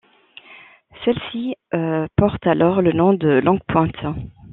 Celle-ci porte alors le nom de Longue-Pointe.